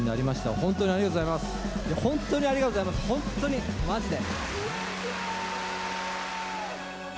本当にありがとうございます、本当にまじで。